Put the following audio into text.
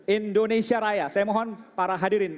indonesia raya saya mohon para hadirin